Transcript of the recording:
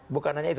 bukan hanya itu